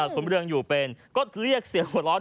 คุณเรืองอยู่เป็นก็เรียกเสียงหัวร้อน